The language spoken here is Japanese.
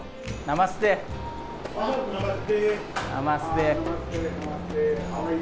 ナマステ。